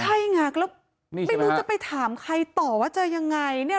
ไม่รู้จะไปถามใครต่อว่าจะยังไง